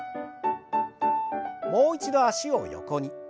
もう一度脚を横に。